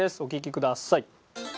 お聴きください。